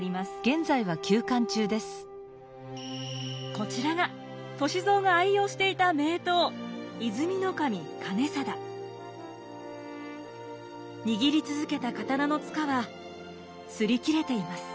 こちらが歳三が愛用していた握り続けた刀の柄は擦り切れています。